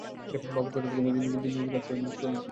বাবার কষ্ট দেখে মজিদ নিজে দিনমজুরের কাজ করে নিজের খরচ যোগাত।